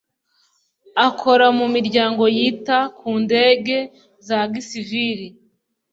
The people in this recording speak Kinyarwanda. Akora mu miryango yita ku ndege za gisivili